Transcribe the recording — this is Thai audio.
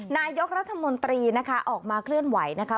นายกรัฐมนตรีนะคะออกมาเคลื่อนไหวนะคะ